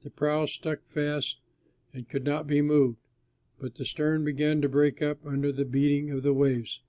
The prow stuck fast and could not be moved, but the stern began to break up under the beating of the waves.